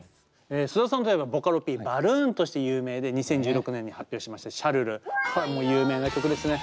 須田さんといえばボカロＰバルーンとして有名で２０１６年に発表しました「シャルル」これはもう有名な曲ですね。